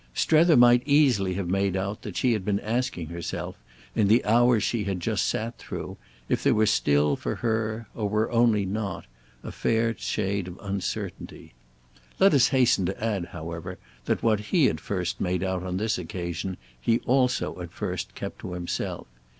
Strether might easily have made out that she had been asking herself, in the hours she had just sat through, if there were still for her, or were only not, a fair shade of uncertainty. Let us hasten to add, however, that what he at first made out on this occasion he also at first kept to himself.